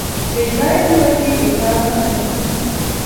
بې ځایه نیوکې د کار مخه نیسي.